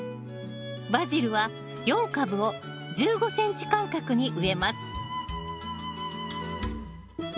バジルは４株を１５ｃｍ間隔に植えます